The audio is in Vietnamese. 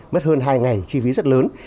mất hơn hai ngày chi phí rất lớn